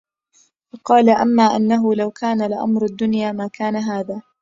فَقَالَ أَمَّا إنَّهُ لَوْ كَانَ لِأَمْرِ الدُّنْيَا مَا كَانَ هَذَا